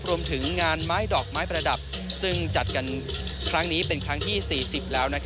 รวมถึงงานไม้ดอกไม้ประดับซึ่งจัดกันครั้งนี้เป็นครั้งที่๔๐แล้ว